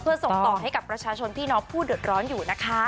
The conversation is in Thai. เพื่อส่งต่อให้กับประชาชนพี่น้องผู้เดือดร้อนอยู่นะคะ